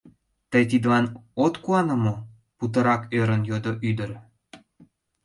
Тый тидлан от куане мо? — путырак ӧрын йодо ӱдыр.